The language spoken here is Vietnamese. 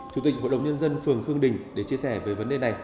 chủ tịch hội đồng nhân dân phường khương đình để chia sẻ về vấn đề này